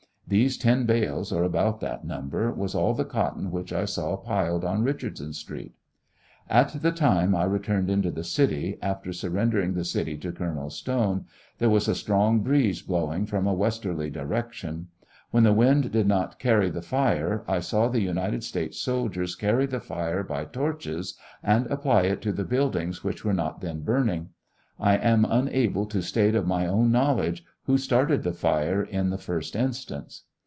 These ten bales, or about that number, was all the cotton which I saw piled on Eichardson street. At the time I returned into the city, after surrendering the city to Colonel Stone, there was a strong breeze blowing from a westerly direction. When the wind did not carry the fire, I saw United States soldiers carry the fire by torches, and apply it to the buildings which were not then burning. I am unable to state of my own knowledge who started the fire in the first instance.